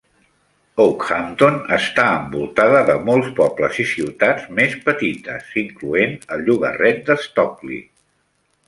Okehampton està envoltada de molts pobles i ciutats més petites, incloent el llogarret de Stockley.